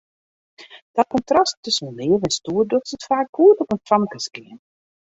Dat kontrast tusken leaf en stoer docht it faak goed op in famkeskeamer.